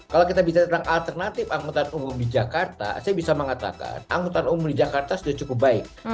kalau kita bicara tentang alternatif angkutan umum di jakarta saya bisa mengatakan angkutan umum di jakarta sudah cukup baik